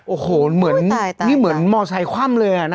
โอ้โหเหมือนนี่เหมือนมอไซคว่ำเลยนะ